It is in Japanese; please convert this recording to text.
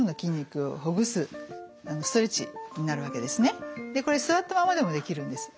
この運動はこれ座ったままでもできるんです。